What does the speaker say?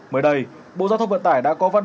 mới đây bộ giao thông vận tải đã có vấn đề